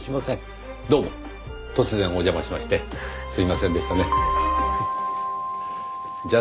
どうも突然お邪魔しましてすみませんでしたね。